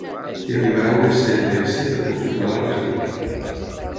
Li arribarà un essa ema essa per confirmar la reserva.